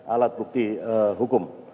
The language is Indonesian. alat bukti hukum